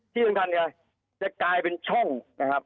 ที่เหมือนกันจะกลายเป็นช่องนะครับ